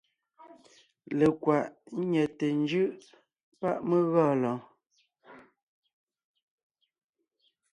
Lekwàʼ ńnyɛte jʉʼ páʼ mé gɔɔn lɔɔn.